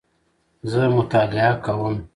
زه مطالعه کوم